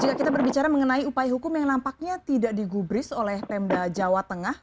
jika kita berbicara mengenai upaya hukum yang nampaknya tidak digubris oleh pemda jawa tengah